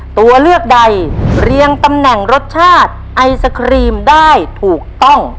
ตัวเลือกใดเรียงตำแหน่งรสชาติไอศครีมได้ถูกต้อง